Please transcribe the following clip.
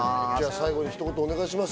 最後に一言お願いします。